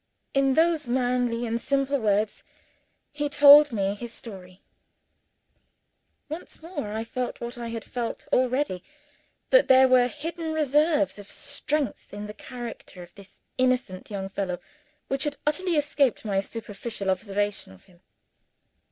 In those manly and simple words, he told me his story. Once more I felt, what I had felt already, that there were hidden reserves of strength in the character of this innocent young fellow, which had utterly escaped my superficial observation of him.